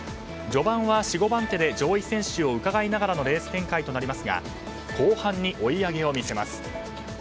序盤は４５番手で上位選手をうかがいながらのレース展開となりますが後半に追い上げを見せます。